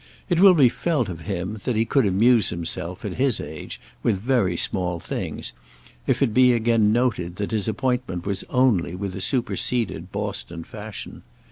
It will be felt of him that he could amuse himself, at his age, with very small things if it be again noted that his appointment was only with a superseded Boston fashion.